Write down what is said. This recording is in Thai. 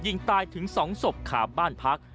ยิงตายถึง๒ศพขาบบ้านพัก